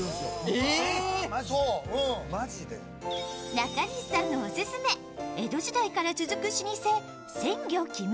中西さんのオススメ、江戸時代から続く老舗・鮮魚木村。